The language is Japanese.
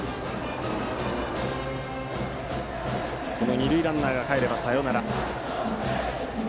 二塁ランナーがかえればサヨナラです。